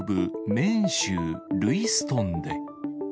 メーン州ルイストンで。